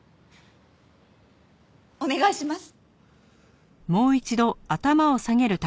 お願いします。